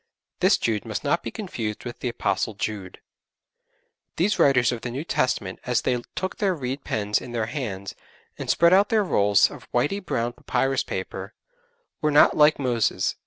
This Jude must not be confused with the Apostle Jude. These writers of the New Testament as they took their reed pens in their hands, and spread out their rolls of whitey brown papyrus paper, were not like Moses.